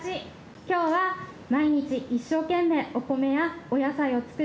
今日は毎日一生懸命お米やお野菜を作っているヒーロー